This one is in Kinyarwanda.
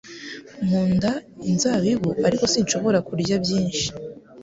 Nkunda inzabibu ariko sinshobora kurya byinshi